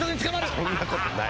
そんなことない。